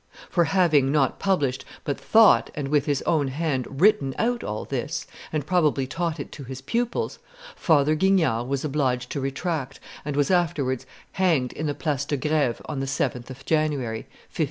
For having, not published, but thought and with his own hand written out all this, and probably taught it to his pupils, Father Guignard was obliged to retract, and was afterwards hanged in the Place de Greve on the 7th of January, 1595.